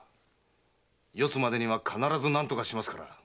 四ツまでには必ず何とかします。